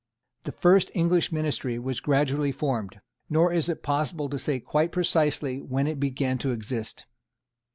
The first English ministry was gradually formed; nor is it possible to say quite precisely when it began to exist.